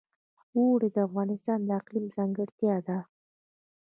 اوړي د افغانستان د اقلیم ځانګړتیا ده.